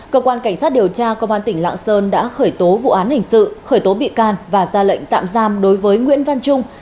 cơ quan cảnh sát điều tra công an tỉnh lạng sơn đã khởi tố vụ án hình sự khởi tố bị can và ra lệnh tạm giam đối với nguyễn văn trung